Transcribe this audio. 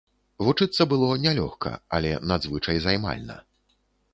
Вучыцца было нялёгка, але надзвычай займальна.